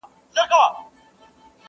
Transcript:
اسره مي خدای ته وه بیا تاته.!